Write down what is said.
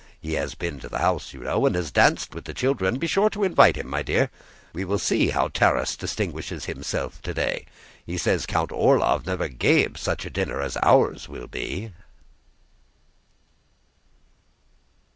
He has been to the house, you know, and danced with the children. Be sure to invite him, my dear. We will see how Tarás distinguishes himself today. He says Count Orlóv never gave such a dinner as ours will be!"